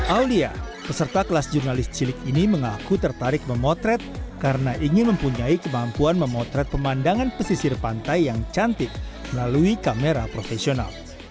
alia peserta kelas jurnalis cilik ini mengaku tertarik memotret karena ingin mempunyai kemampuan memotret pemandangan pesisir pantai yang cantik melalui kamera profesional